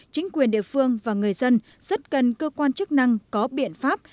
chính quyền địa phương và người dân rất cần cơ quan chức năng có biện pháp